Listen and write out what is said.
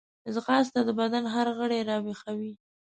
ځغاسته د بدن هر غړی راویښوي